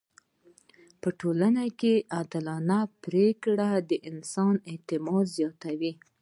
په ټولنه کي عادلانه پریکړه د خلکو اعتماد زياتوي.